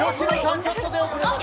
ちょっと出遅れました。